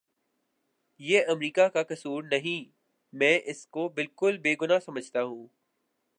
یہ امریکہ کا کسور نہیں میں اس کو بالکل بے گناہ سمجھتا ہوں